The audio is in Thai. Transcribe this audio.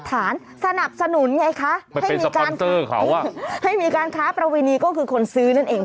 สนับสนุนไงคะให้มีการให้มีการค้าประเวณีก็คือคนซื้อนั่นเอง